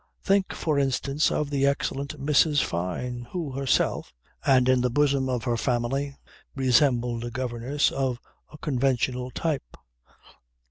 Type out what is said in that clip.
Think for instance of the excellent Mrs. Fyne, who herself, and in the bosom of her family, resembled a governess of a conventional type.